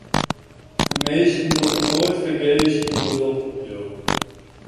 Minsken dogge noait fergees in berop op jo.